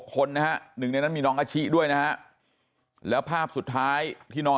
คนนะฮะหนึ่งในนั้นมีน้องอาชิด้วยนะฮะแล้วภาพสุดท้ายที่นอน